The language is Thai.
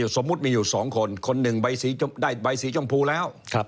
สมมุติมีอยู่๒คนคนหนึ่งใบได้ใบสีชมพูแล้ว